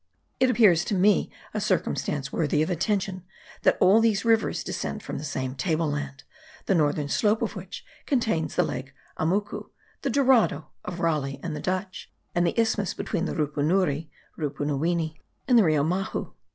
It appears to me a circumstance worthy of attention that all these rivers descend from the same table land, the northern slope of which contains the lake Amucu, the Dorado of Raleigh and the Dutch, and the isthmus between the Rupunuri (Rupunuwini) and the Rio Mahu.